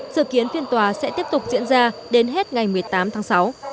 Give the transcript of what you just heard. sự kiến phiên tòa sẽ tiếp tục diễn ra đến hết ngày một mươi tám tháng sáu